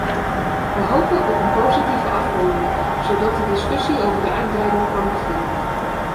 Wij hopen op een positieve afronding, zodat de discussie over de uitbreiding kan beginnen.